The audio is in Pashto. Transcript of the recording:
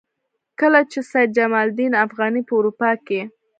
کله چې سید جمال الدین افغاني په اروپا کې.